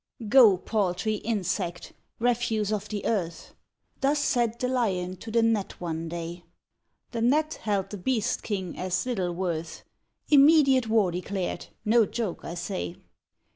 "Go, paltry insect, refuse of the earth!" Thus said the Lion to the Gnat one day. The Gnat held the Beast King as little worth; Immediate war declared no joke, I say.